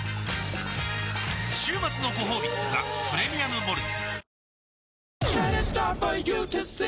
週末のごほうび「ザ・プレミアム・モルツ」